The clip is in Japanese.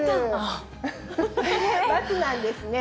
なんですね。